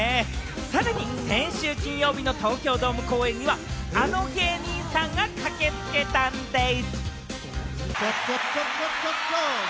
さらに先週金曜日の東京ドーム公演には、あの芸人さんが駆け付けたんでぃす。